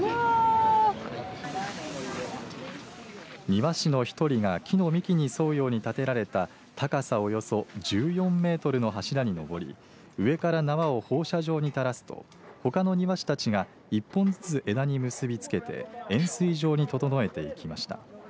庭師の１人が木の幹に沿うように立てられた高さおよそ１４メートルの柱にのぼり上から縄を放射状に垂らすとほかの庭師たちが１本ずつ枝に結び付けて円すい状に整えていきました。